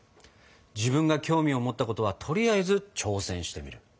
自分が興味を持ったことはとりあえず挑戦してみる。